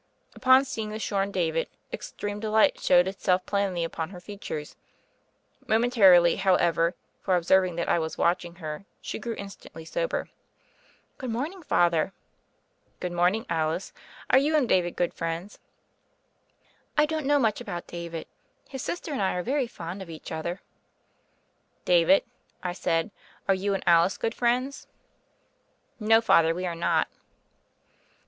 Upon seeing the shorn David, extreme de light showed itself plainly upon her features — momentarily, however ; for observing that I was watching her, she grew instantly sober. "Good morning, Father." "Good morning, Alice. Are you and David good friends?" "I don't know much about David. His sis ter and I are very fond of each other." "David," I said, "are you and Alice good friends?" "No, Father, we are not."